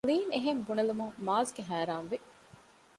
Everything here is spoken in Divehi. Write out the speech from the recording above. ލީން އެހެން ބުނެލުމުން މާޒްގެ ހައިރާންވި